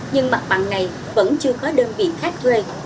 nhưng mặt bằng này vẫn chưa có đơn vị khác thuê